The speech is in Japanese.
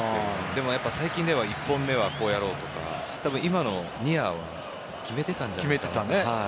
でも最近では１本目はこうやろうとか今のニアは決めてたんじゃないかな。